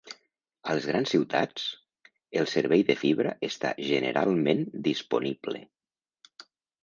A les grans ciutats, el servei de fibra està generalment disponible.